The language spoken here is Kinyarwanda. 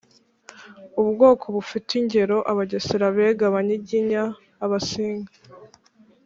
ubwoko bufite ingero: Abagesera, Abega, Abanyiginya, Abasinga